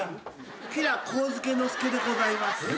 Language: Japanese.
吉良上野介でございます。